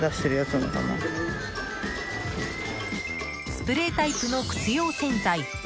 スプレータイプの靴用洗剤。